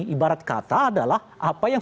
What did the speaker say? ibarat kata adalah apa yang